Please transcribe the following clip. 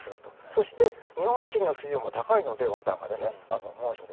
そして日本付近の水温も高いので、猛暑で。